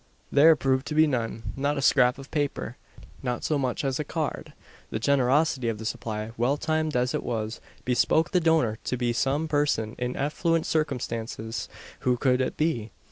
There proved to be none not a scrap of paper not so much as a card! The generosity of the supply well timed as it was bespoke the donor to be some person in affluent circumstances. Who could it be?